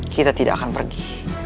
kita tidak akan pergi